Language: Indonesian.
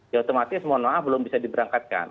ya otomatis mohon maaf belum bisa diberangkatkan